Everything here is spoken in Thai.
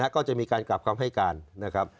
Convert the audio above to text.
ก็จะมีการกลับคำให้การนะครับ